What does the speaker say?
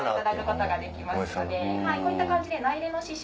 こういった感じで。